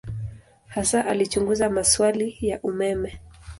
Hasa alichunguza maswali ya umeme.